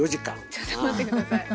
ちょっと待って下さい。